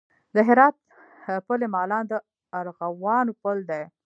د هرات پل مالان د ارغوانو پل دی